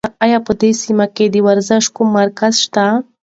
ایا په دې سیمه کې د ورزش کوم مرکز شته؟